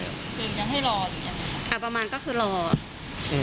โอเคอยากให้รออยู่ยังไงอ่าประมาณก็คือรออืม